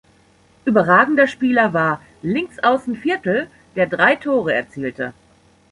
Überragender Spieler war Linksaußen Viertel, der drei Tore erzielte.